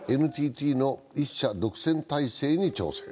ＮＴＴの１社独占体制に挑戦。